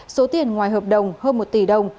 số tiền ngoài hợp đồng hơn một tỷ đồng